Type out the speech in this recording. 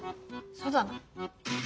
そうだな。